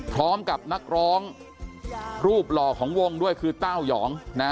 พร้อมกับนักร้องรูปหล่อของวงด้วยคือเต้ายองนะ